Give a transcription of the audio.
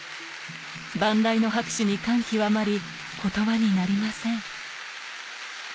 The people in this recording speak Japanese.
万雷の拍手に感極まり、ことばになりません。